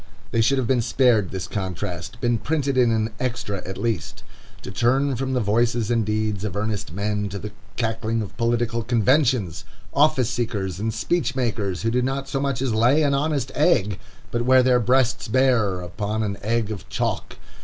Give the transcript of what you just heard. They should have been spared this contrast, been printed in an extra at least. To turn from the voices and deeds of earnest men to the cackling of political conventions! Office seekers and speech makers, who do not so much as lay an honest egg, but wear their breasts bare upon an egg of chalk!